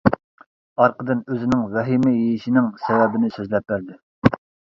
ئارقىدىن ئۆزىنىڭ ۋەھىمە يېيىشىنىڭ سەۋەبىنى سۆزلەپ بەردى.